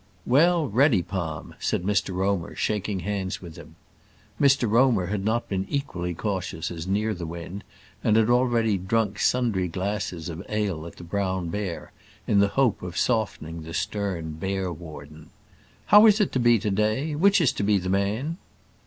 "Well, Reddypalm," said Mr Romer, shaking hands with him. Mr Romer had not been equally cautious as Nearthewinde, and had already drunk sundry glasses of ale at the Brown Bear, in the hope of softening the stern Bear warden. "How is it to be to day? Which is to be the man?"